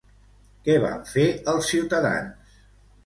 Què van fer els ciutadans?